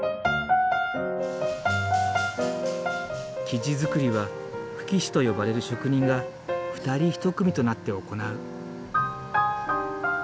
生地作りは吹き師と呼ばれる職人が２人１組となって行う。